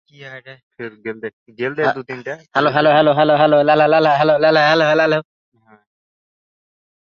তিনি জ্যোতিষ ও তিব্বতী ব্যাকরণের ওপর বেশ কিছু টীকাভাষ্য রচনা করেন।